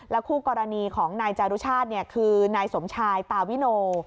คู่กรณีของนายจารุชาติคือนายสมชายตาวิโน